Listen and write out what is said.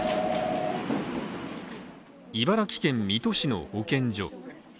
茨城県水戸市の保健所。